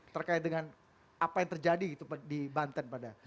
terkait dengan apa yang terjadi di banten pada hari ini